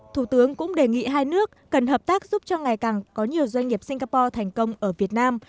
thủ tướng cũng đề nghị hai nước cần hợp tác giúp cho ngày càng có nhiều doanh nghiệp singapore thành công ở việt nam